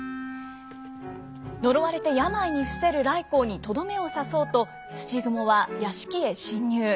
呪われて病に伏せる頼光にとどめを刺そうと土蜘蛛は屋敷へ侵入。